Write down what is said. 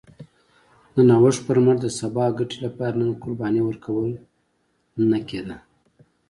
د نوښت پر مټ د سبا ګټې لپاره نن قرباني ورکول نه کېده